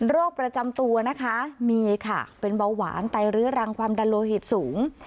โรคประจำตัวนะคะมีค่ะเป็นเบาหวานไตเรื้อรังความดันโลหิตสูง